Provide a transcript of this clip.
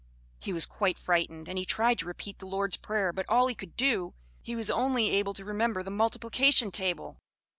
He was quite frightened, and he tried to repeat the Lord's Prayer; but all he could do, he was only able to remember the multiplication table.